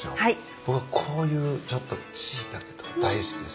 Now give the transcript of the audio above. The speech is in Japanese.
僕こういうちょっとシイタケとか大好きです。